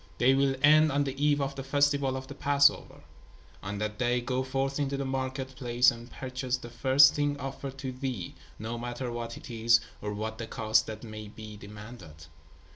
They will end on the eve of the festival of the Passover. On that day go forth into the market place and purchase the first thing offered to thee, no matter what it is, or what the cost that may be demanded.